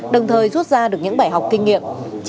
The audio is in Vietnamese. đồng thời rút ra được những bài học kinh nghiệm